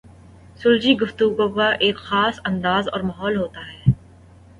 سلجھی گفتگو کا ایک خاص انداز اور ماحول ہوتا ہے۔